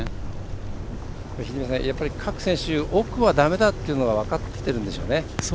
秀道さん、各選手奥はだめだというのは分かってるんでしょうね。